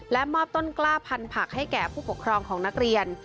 มอบต้นกล้าพันผักให้แก่ผู้ปกครองของนักเรียน